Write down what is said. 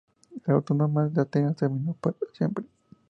La autonomía de Atenas terminó para siempre.